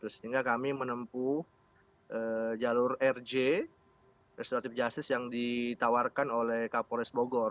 sehingga kami menempuh jalur rj restoratif justice yang ditawarkan oleh kapolres bogor